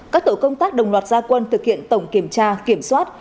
các tổ công tác đồng loạt gia quân thực hiện tổng kiểm tra kiểm soát